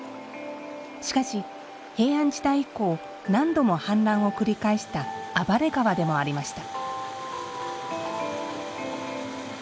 しかし、平安時代以降何度も氾濫を繰り返した「暴れ川」でもありました。